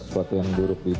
aku akan berubah